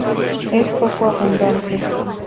Es poco abundante.